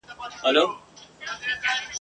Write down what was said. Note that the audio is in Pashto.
څه ښه یاران وه څه ښه یې زړونه !.